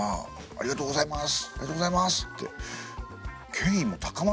ありがとうございます。